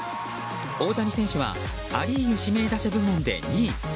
大谷選手はア・リーグ指名打者部門で２位。